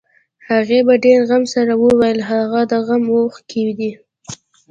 هغې په ډېر غم سره وويل هغه د غم اوښکې دي.